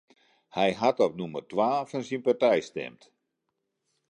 Hy hat op nûmer twa fan syn partij stimd.